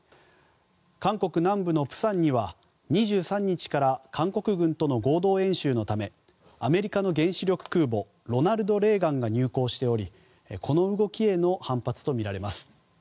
韓国南部の釜山には２３日から韓国軍との合同演習のためアメリカの原子力空母「ロナルド・レーガン」が入港しておりこの動きへの反発とみられます。